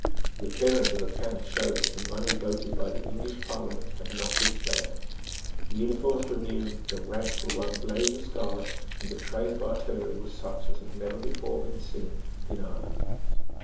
The appearance of the camp showed that the money voted by the English Parliament had not been spared. The uniforms were new; the ranks were one blaze of scarlet; and the train of artillery was such as had never before been seen in Ireland.